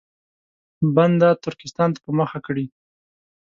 بنده ترکستان ته په مخه کړي.